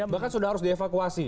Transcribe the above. bahkan sudah harus dievakuasi